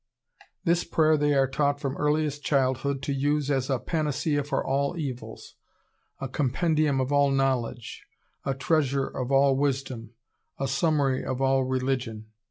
This prayer they are taught from earliest childhood to use as "a panacea for all evils, a compendium of all knowledge, a treasury of all wisdom, a summary of all religion."